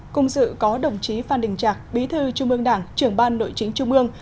cùng dự có đồng chí phan đình trạc bí thư trung ương đảng trưởng ban nội chính trung ương